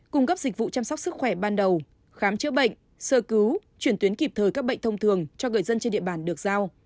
cung cấp dịch vụ chăm sóc sức khỏe ban đầu khám chữa bệnh sơ cứu chuyển tuyến kịp thời các bệnh thông thường cho người dân trên địa bàn được giao